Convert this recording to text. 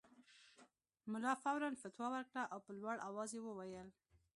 ملا فوراً فتوی ورکړه او په لوړ اواز یې وویل.